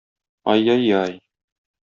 Ай-яй-яй!